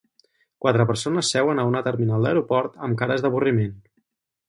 Quatre persones seuen a una terminal d'aeroport amb cares d'avorriment.